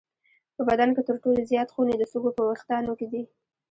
په بدن کې تر ټولو زیات خونې د سږو په وېښتانو کې دي.